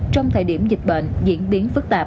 trong thời điểm dịch bệnh diễn biến phức tạp